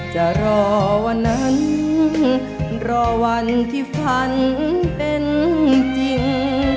จะรอวันนั้นรอวันที่ฝันเป็นจริง